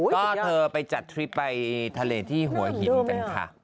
ก็เธอไปจัดทริปไปทะเลที่หัวหินกันค่ะ